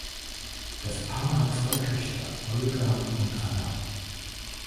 Das Paar hat zwei Töchter, Olga und Anna.